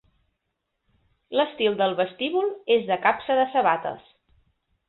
L'estil del vestíbul és de "capsa de sabates".